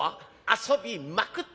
「遊びまくった。